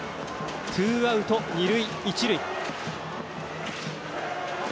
ツーアウト、二塁、一塁。